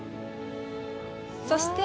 そして、